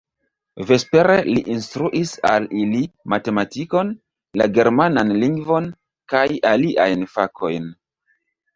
Vespere li instruis al ili matematikon, la germanan lingvon kaj aliajn fakojn.